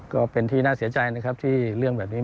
ก็เป็นที่น่าเสียใจนะครับที่เรื่องแบบนี้